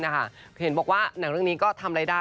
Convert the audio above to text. เห็นบอกว่าหนังเรื่องนี้ก็ทำอะไรได้